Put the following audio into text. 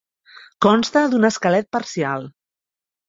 Consta d'un esquelet parcial.